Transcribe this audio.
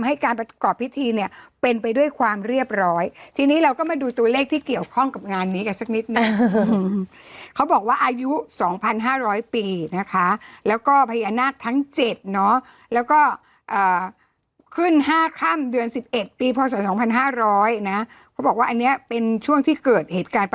หรอฮะ๘อีกแล้วเหรอ๘ออกบ่อยมากเลยนะก็เราดูว่าได้ยกทั้ง